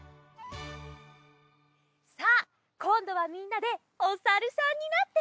さあこんどはみんなでおさるさんになって。